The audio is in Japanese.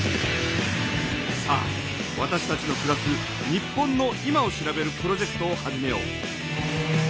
さあわたしたちのくらす日本の今を調べるプロジェクトを始めよう。